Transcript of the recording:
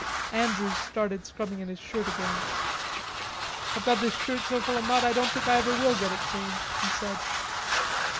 Andrews started scrubbing at his shirt again. "I've got this shirt so full of mud I don't think I ever will get it clean," he said.